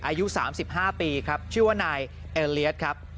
อายุสามสิบห้าปีครับชื่อว่านายเอเลียสครับ